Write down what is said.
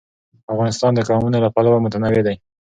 افغانستان د قومونه له پلوه متنوع دی.